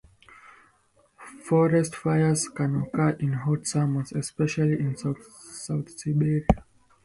Forest fires can occur in hot summers, especially in south Siberia.